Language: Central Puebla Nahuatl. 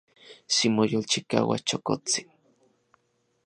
Ximoyolchikaua, chokotsin.